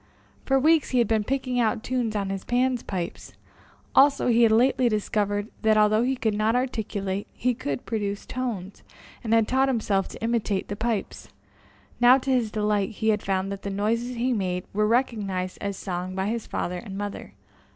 For weeks he had been picking out tunes on his Pan's pipes, also, he had lately discovered that, although he could not articulate, he could produce tones, and had taught himself to imitate the pipes. Now, to his delight, he had found that the noises he made were recognized as song by his father and mother.